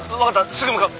すぐ向かう。